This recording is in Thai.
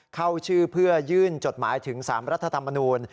เข้าชื่อเพื่อยื่นจดหมายถึง๓รัฐธรรมนูล